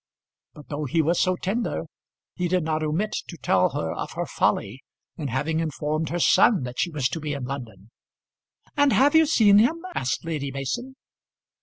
But though he was so tender, he did not omit to tell her of her folly in having informed her son that she was to be in London. "And have you seen him?" asked Lady Mason.